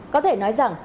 có thể nói rằng